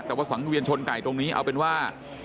แต่ว่าสังเวียนชนไก่ตรงนี้เอาเป็นว่า